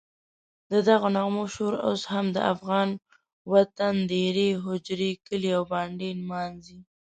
ددغو نغمو شور اوس هم د افغان وطن دېرې، هوجرې، کلي او بانډې نمانځي.